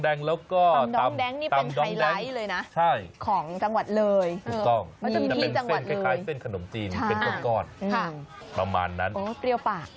ด้านนอกจากนี้จะมีตำเมื้อนทะเลตำดองแดง